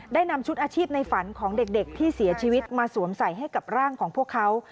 นำชุดอาชีพในฝันของเด็กที่เสียชีวิตมาสวมใส่ให้กับร่างของพวกเขา